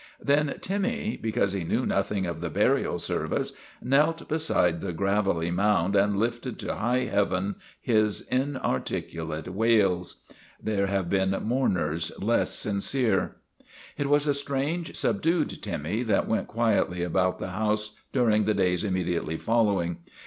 Then Timmy, because he knew nothing of the burial service, knelt beside the 208 THE REGENERATION OF TIMMY gravelly mound and lifted to high Heaven his in articulate wails. There have been mourners less sincere. It was a strange, subdued Timmy that went quietly about the house during the days immediately following.